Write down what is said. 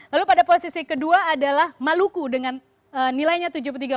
lalu pada posisi kedua adalah maluku dengan nilainya tujuh puluh tiga tujuh puluh tujuh